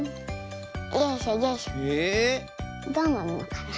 どうなんのかな。